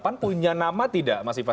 pan punya nama tidak mas ivan